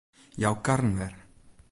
Jou karren wer.